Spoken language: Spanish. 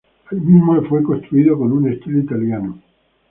El mismo fue construido con un estilo italiano.